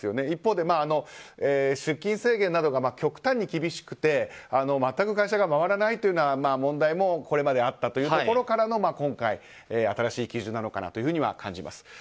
一方で出勤制限などが極端に厳しくて全く会社が回らないというような問題もこれまであったというところからの今回、新しい基準なのかなというふうには感じます。